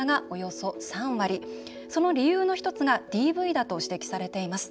その理由の１つがＤＶだとしています。